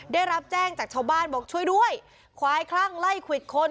ได้รับแจ้งจากชาวบ้านบอกช่วยด้วยควายคลั่งไล่ควิดคน